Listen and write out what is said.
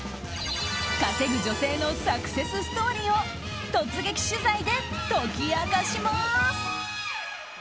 稼ぐ女性のサクセスストーリーを突撃取材で解き明かします。